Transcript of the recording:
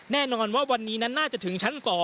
แน่นอนว่าวันนี้นั้นน่าจะถึงชั้น๒